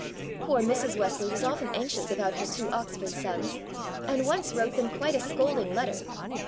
Poor Mrs. Wesley was often anxious about her two Oxford sons, and once wrote them quite a scolding letter.